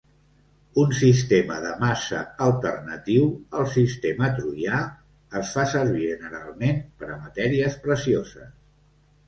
Un sistema de massa alternatiu, el sistema troià, es fa servir generalment per a matèries precioses.